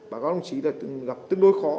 bà gói đồng chí đã gặp tương đối khó